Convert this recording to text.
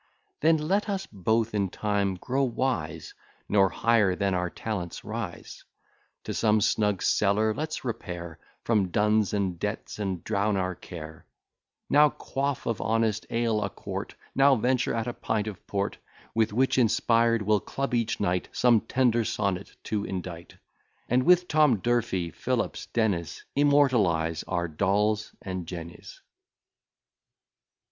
Then let us both in time grow wise, Nor higher than our talents rise; To some snug cellar let's repair, From duns and debts, and drown our care; Now quaff of honest ale a quart, Now venture at a pint of port; With which inspired, we'll club each night Some tender sonnet to indite, And with Tom D'Urfey, Phillips, Dennis, Immortalize our Dolls and Jennys.